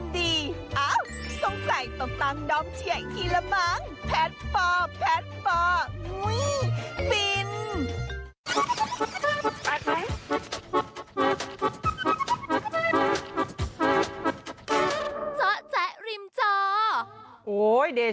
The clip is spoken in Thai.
ทั้งคู่แล้วเป็นส่วนจี๊บปินดิ